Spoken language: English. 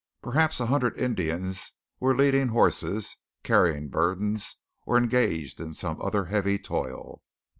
Perhaps a hundred Indians were leading horses, carrying burdens or engaged in some other heavy toil.